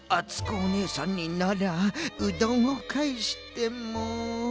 おねえさんにならうどんをかえしても。